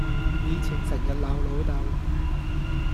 以前成日鬧老豆